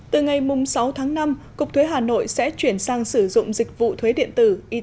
từ ngày sáu tháng năm cục thuế hà nội sẽ chuyển sang sử dụng dịch vụ thuế điện tử et